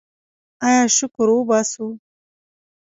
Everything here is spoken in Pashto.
آیا شکر وباسو؟